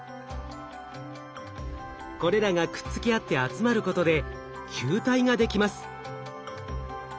これらがくっつき合って集まることで球体ができます。